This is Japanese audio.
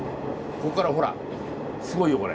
こっからほらすごいよこれ。